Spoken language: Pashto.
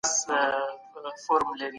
سردار اکبرخان ځواکونه واستول.